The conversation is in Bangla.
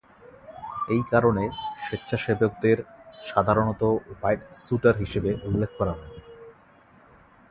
এই কারণে, স্বেচ্ছাসেবকদের সাধারণত হোয়াইট স্যুটার হিসাবে উল্লেখ করা হয়।